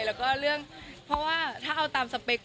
แล้วก็เรื่องเพราะว่าถ้าเอาตามสเปค